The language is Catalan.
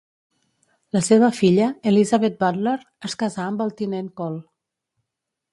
La seva filla, Elizabeth Butler, es casà amb el tinent-col.